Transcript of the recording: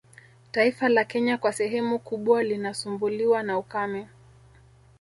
Taifa la Kenya kwa sehemu kubwa linasumbuliwa na ukame